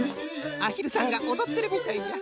アヒルさんがおどってるみたいじゃ。